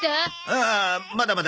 ああまだまだ。